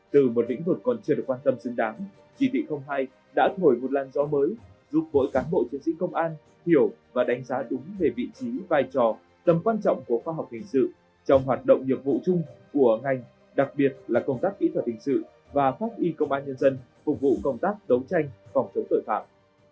từ một lĩnh vực còn chưa được quan tâm xứng đáng chỉ thị hai đã thổi một làn gió mới giúp mỗi cán bộ chiến sĩ công an hiểu và đánh giá đúng về vị trí vai trò tầm quan trọng của khoa học hình sự trong hoạt động nhiệm vụ chung của ngành đặc biệt là công tác kỹ thuật hình sự và pháp y công an nhân dân phục vụ công tác đấu tranh phòng chống tội phạm